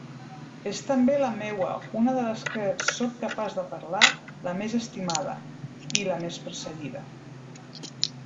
És també la meua, una de les que sóc capaç de parlar, la més estimada..., i la més perseguida.